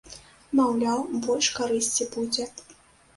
Маўляў, больш карысці будзе.